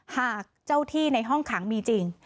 หากเจ้าที่ในห้องขังมีจริง